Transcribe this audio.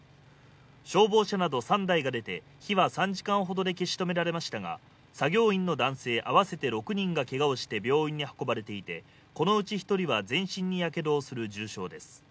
消防車など３台が出て、火は３時間ほどで消し止められましたが、作業員の男性合わせて６人がけがをして病院に運ばれていてこのうち１人は全身にやけどをする重傷です。